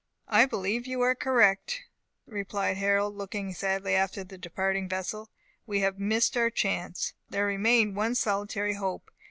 "I believe you are correct," replied Harold, looking sadly after the departing vessel; "we have missed our chance." There remained one solitary hope.